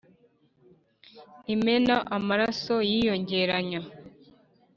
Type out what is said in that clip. imena amaraso yiyongeranya